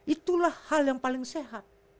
itulah hal yang paling sehat